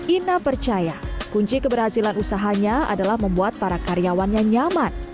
ina percaya kunci keberhasilan usahanya adalah membuat para karyawannya nyaman